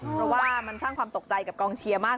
เพราะว่ามันสร้างความตกใจกับกองเชียร์มาก